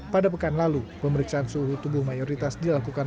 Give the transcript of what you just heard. pada pekan lalu pemeriksaan suhu tubuh mayoritas dilakukan